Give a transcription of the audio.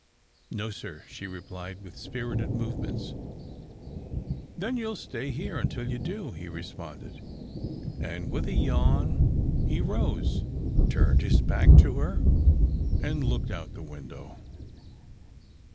"No, sir," she replied, with spirited movements. "Then you'll stay here till you do," he responded, and with a yawn he rose, turned his back to her, and looked out of the window.